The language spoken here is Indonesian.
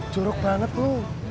curug banget lu